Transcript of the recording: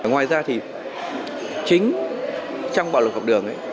ngoài ra thì chính trong bạo lực học đường